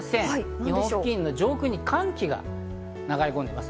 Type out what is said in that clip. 日本付近の上空に寒気が流れ込んでいます。